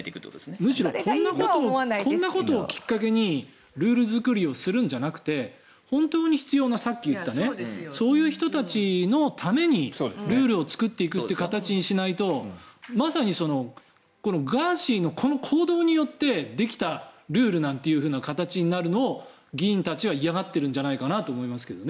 むしろこんなことをきっかけにルールづくりをするんじゃなくてさっき言ったようなそういう人たちのためにルールを作っていく形にしないとまさにガーシーのこの行動によってできたルールという形になるのを議員たちは嫌がってるんじゃないかなと思いますけどね。